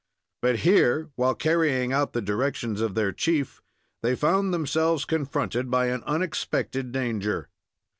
But here, while carrying out the directions of their chief, they found themselves confronted by an unexpected danger.